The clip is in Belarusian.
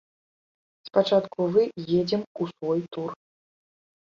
Спачатку вы едзем у свой тур.